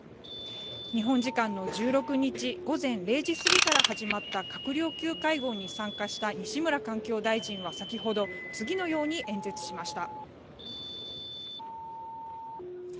日本時間の１６日午前０時過ぎから始まった閣僚級会合に参加した西村環境大臣は先ほど、次のように演説しました。